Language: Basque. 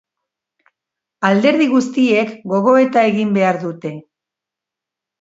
Alderdi guztiek gogoeta egin behar dute.